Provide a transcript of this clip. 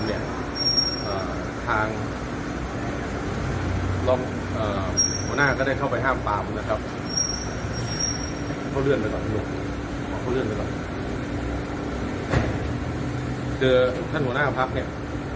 หัวหน้าก็ได้เข้าไปห้ามปามนะครับเขาเลื่อนไปก่อนท่านหัวหน้าพักเนี่ย